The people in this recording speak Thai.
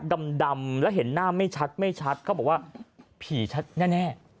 ดำแล้วเห็นหน้าไม่ชัดไม่ชัดเขาบอกว่าผีชัดแน่